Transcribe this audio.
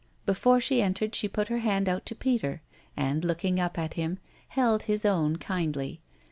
Before she entered she put her hand out to Peter and, looking up at him, held his own kindly.